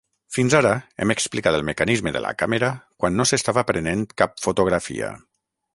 Fins ara hem explicat el mecanisme de la càmera quan no s'estava prenent cap fotografia.